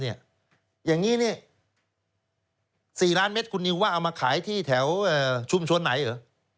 อย่างนี้๔ล้านเม็ดคุณนิวว่าเอามาขายที่แถวชุมชนไหนเหรอ